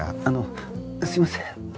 あのすみません。